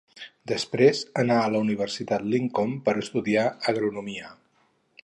Després anà a la Universitat Lincoln per estudiar agronomia.